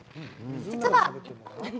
実は。